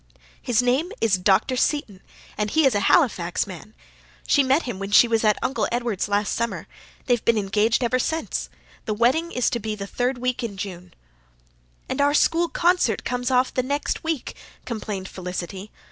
"His name is Dr. Seton and he is a Halifax man. She met him when she was at Uncle Edward's last summer. They've been engaged ever since. The wedding is to be the third week in June." "And our school concert comes off the next week," complained Felicity.